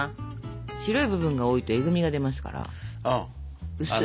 白い部分が多いとえぐみが出ますからうすく。